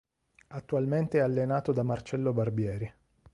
Attualmente è allenato da Marcello Barbieri.